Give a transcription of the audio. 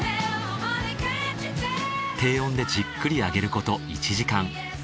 低温でじっくり揚げること１時間。